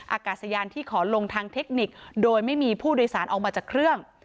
อากาศยานที่ขอลงทางเทคนิคโดยไม่มีผู้โดยสารออกมาจากเครื่อง